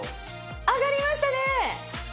上がりましたね。